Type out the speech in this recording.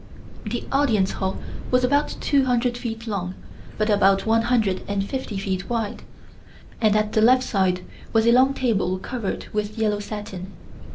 The Audience Hall was about two hundred feet long by about one hundred and fifty feet wide, and at the left side was a long table covered with yellow satin.